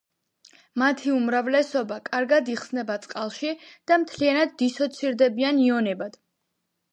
მათი უმრავლესობა კარგად იხსნება წყალში და მთლიანად დისოცირდებიან იონებად.